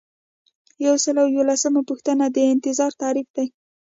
یو سل او یوولسمه پوښتنه د انتظار تعریف دی.